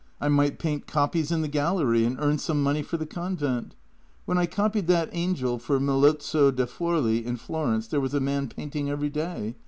I might paint copies in the gallery and earn some money for the convent. When I copied that angel for Melozzo da Forli in Florence there was a nun painting every day.